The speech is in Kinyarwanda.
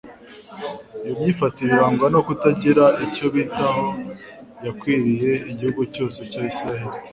Iyo myifatire irangwa no kutagira icyo bitaho yakwiriye igihugu cyose cya Isiraheli